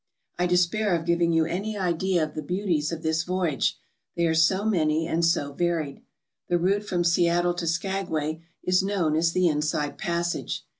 I despair of giving you any idea of the beauties of this voyage, they are so many and so varied. The route from Seattle .to Skagway is known as the Inside Passage.